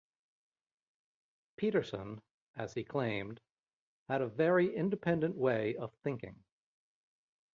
Petersen, as he claimed, had a very independent way of thinking.